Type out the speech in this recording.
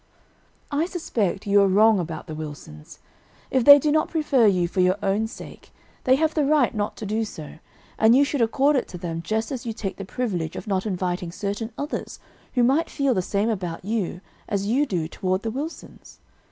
"I suspect you are wrong about the Wilson's. If they do not prefer you for your own sake, they have the right not to do so, and you should accord it to them just as you take the privilege of not inviting certain others who might feel the same about you as you do toward the Wilsons.